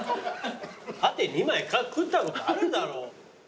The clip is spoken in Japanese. パテ２枚食ったことあるだろ。